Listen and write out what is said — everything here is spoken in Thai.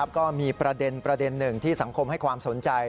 ก็มีประเด็นหนึ่งที่สังคมให้ความสนใจ